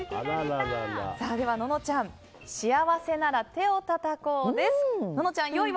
では、ののちゃん「幸せなら手をたたこう」です。